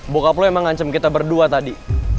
bokap lo emang ngancem kita berdua tadi